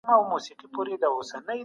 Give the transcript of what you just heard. پارلمان کډوالو ته ویزې نه بندوي.